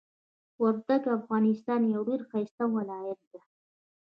وردګ د افغانستان یو ډیر ښایسته ولایت ده.